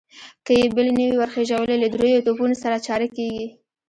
که يې بل نه وي ور خېژولی، له درېيو توپونو سره چاره کېږي.